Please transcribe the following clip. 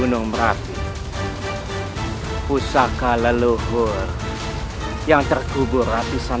luar biasa luar biasa